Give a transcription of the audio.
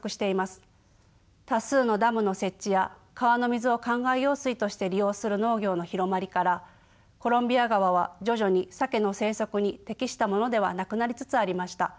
多数のダムの設置や川の水をかんがい用水として利用する農業の広まりからコロンビア川は徐々にサケの生息に適したものではなくなりつつありました。